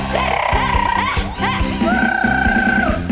ดรรรรรรรรรเอ็ะเฮ้ฮู้